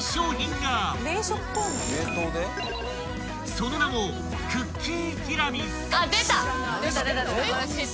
［その名もクッキーティラミス］